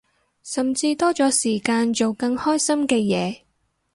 甚至多咗時間做更開心嘅嘢